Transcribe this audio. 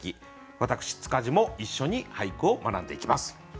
私塚地も一緒に俳句を学んでいきます。